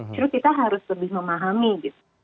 jadi kita harus lebih memahami gitu